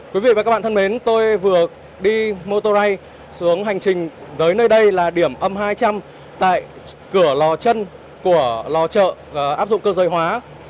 quý vị và các bạn thân mến tôi vừa đi motor ray xuống hành trình tới nơi đây là điểm âm hai trăm linh tại cửa lò chân của lò chợ áp dụng cơ giới hóa